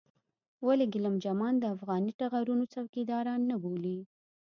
ولې ګېلم جمان د افغاني ټغرونو څوکيداران نه بولې.